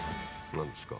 何ですか？